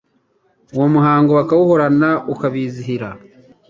Uwo muhango bakawuhorana ukabizihira.